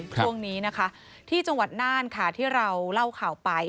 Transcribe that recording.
ช่วงนี้นะคะที่จังหวัดน่านค่ะที่เราเล่าข่าวไป